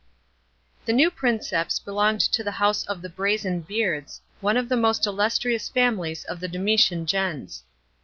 § 1. THE new Princeps* belonged to the house of ihe Brazen beards, one of the most illustiious families of the Dou.itian <jens.